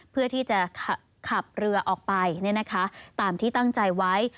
เพื่อที่จะขับเรือออกไปตามที่ตั้งใจไว้